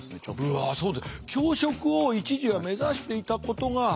うわそう。